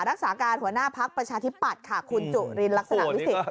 รักษาการหัวหน้าพักประชาธิปัตย์ค่ะคุณจุลินลักษณะวิสิทธิ